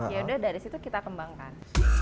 ya udah dari situ kita kembangkan